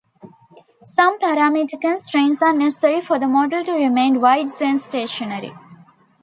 Some parameter constraints are necessary for the model to remain wide-sense stationary.